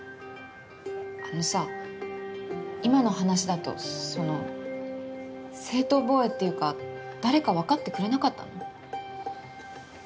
あのさ今の話だとその正当防衛っていうか誰かわかってくれなかったの？